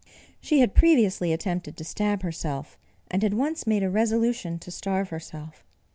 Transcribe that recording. She had previously attempted to stab herself, and had once made a resolution to starve herself.